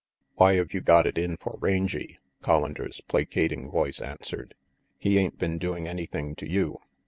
"Why've you got it in for Rangy?" Collander's placating voice answered. "He ain't been doing anything to you.